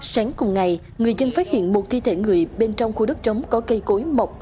sáng cùng ngày người dân phát hiện một thi thể người bên trong khu đất trống có cây cối mọc